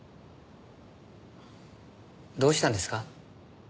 どうしたんですか？